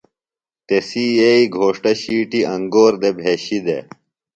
تسی یئیی گھوݜٹہ ݜیٹیۡ انگور دےۡ بھشیۡ دےۡ۔